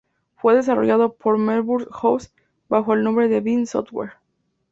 Fue desarrollado por Melbourne House bajo el nombre Beam Software.